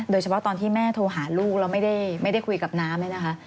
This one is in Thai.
โดยเฉพาะตอนที่แม่โทรหาลูกแล้วไม่ได้คุยกับน้ำเนี่ยนะคะ